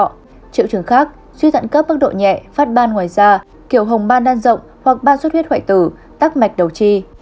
triệu chứng khác suy thận cấp bức độ nhẹ phát ban ngoài da kiểu hồng ban đan rộng hoặc ban suốt huyết hoại tử tắc mạch đầu chi